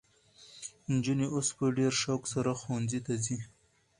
نجونې اوس په ډېر شوق سره ښوونځي ته ځي.